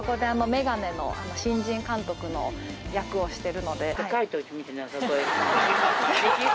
メガネの新人監督の役をして。